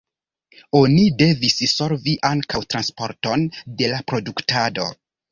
Oni devis solvi ankaŭ transporton de la produktado.